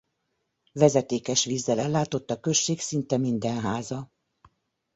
Vezetékes vízzel ellátott a község szinte minden háza.